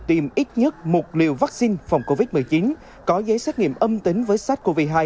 tiêm ít nhất một liều vaccine phòng covid một mươi chín có giấy xét nghiệm âm tính với sars cov hai